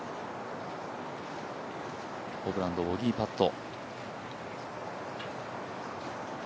ホブランド、ボギーパット。